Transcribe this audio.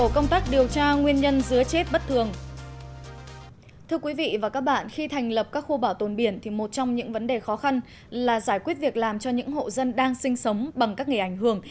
các khu bảo tồn biển thì một trong những vấn đề khó khăn là giải quyết việc làm cho những hộ dân đang sinh sống bằng các nghề ảnh hưởng